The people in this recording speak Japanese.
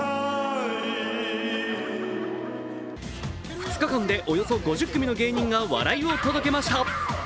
２日間でおよそ５０組の芸人が笑いを届けました。